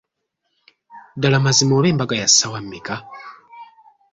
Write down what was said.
Ddala mazima oba embaga ya ssaawa mmeka?